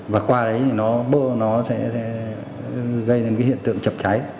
và qua đấy nó bơ nó sẽ gây đến cái hiện tượng chập cháy